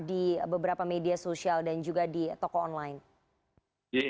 di beberapa media sosial dan juga di toko online